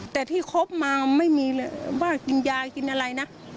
แต่ที่คบมาไม่มีเลยว่ากินยากินอะไรนะ